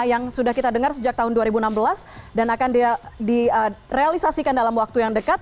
yang sudah kita dengar sejak tahun dua ribu enam belas dan akan direalisasikan dalam waktu yang dekat